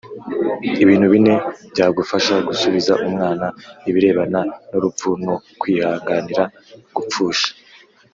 Ibintu bine byagufasha gusubiza umwana ibirebana n’urupfu no kwihanganira gupfusha